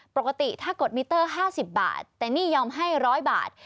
ปกติถ้ากดมิเตอร์๕๐บาทแต่นี่ยอมให้๑๐๐บาท